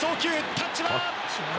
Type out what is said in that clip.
タッチは。